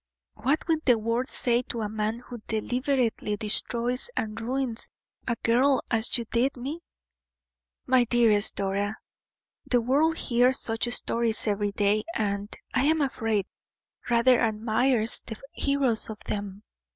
"What will the world say to a man who deliberately destroys and ruins a girl as you did me?" "My dearest Dora, the world hears such stories every day and, I am afraid, rather admires the heroes of them."